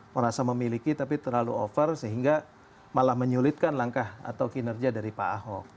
merasa memiliki tapi terlalu over sehingga malah menyulitkan langkah atau kinerja dari pak ahok